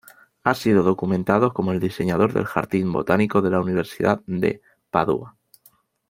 Ha sido documentado como el diseñador del jardín botánico de la Universidad de Padua.